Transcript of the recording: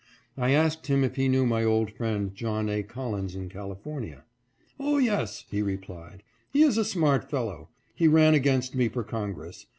I asked him if he knew my old friend John A. Collins in California. " Oh, yes," he replied ;" he is a smart fellow. He ran against me for Congress.